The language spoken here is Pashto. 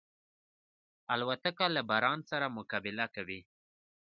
الوتکه له باران سره مقابله کوي.